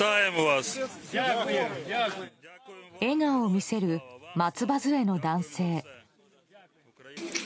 笑顔を見せる松葉づえの男性。